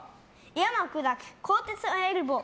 山を砕く鋼鉄のエルボー。